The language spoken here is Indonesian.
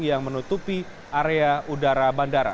yang menutupi area udara bandara